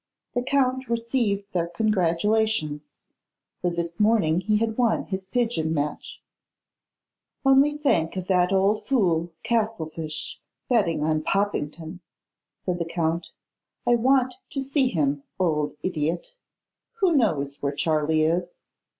The Count received their congratulations, for this morning he had won his pigeon match. 'Only think of that old fool, Castlefyshe, betting on Poppington,' said the Count. 'I want to see him, old idiot! Who knows where Charley is?